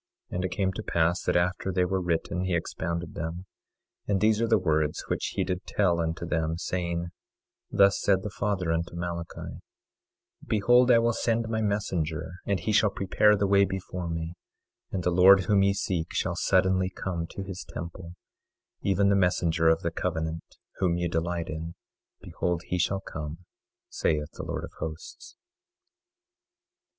And it came to pass that after they were written he expounded them. And these are the words which he did tell unto them, saying: Thus said the Father unto Malachi—Behold, I will send my messenger, and he shall prepare the way before me, and the Lord whom ye seek shall suddenly come to his temple, even the messenger of the covenant, whom ye delight in; behold, he shall come, saith the Lord of Hosts.